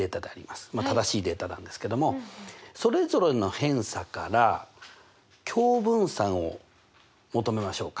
正しいデータなんですけどもそれぞれの偏差から共分散を求めましょうか。